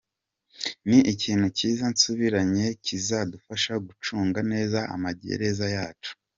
Ni ikintu cyiza nsubiranyeyo kizadufasha gucunga neza amagereza yacu.